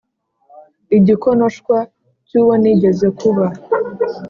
igikonoshwa cy'uwo nigeze kuba.